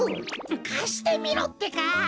かしてみろってか！